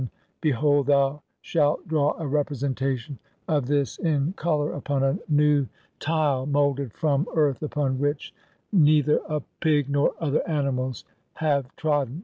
AND, BEHOLD, THOU SHALT DRAW A REPRESENTATION OF THIS IN COL OUR UPON A NEW TILE MOULDED FROM (49) EARTH UPON WHICH NEITHER A PIG NOR OTHER ANIMALS HAVE TRODDEN.